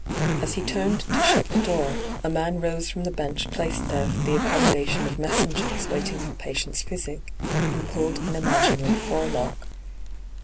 As he turned to shut the door, a man rose from the bench placed there for the accommo dation of messengers waiting for patients* physic, and pulled an imaginary forelock.